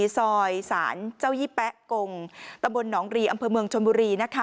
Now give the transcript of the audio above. ซอยศาลเจ้ายี่แป๊ะกงตำบลหนองรีอำเภอเมืองชนบุรี